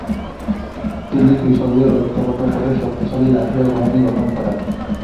তিনি কৃষকদের ঐক্যবদ্ধ করে শক্তিশালী লাঠিয়াল বাহিনী গঠন করেন।